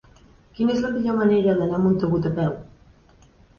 Quina és la millor manera d'anar a Montgat a peu?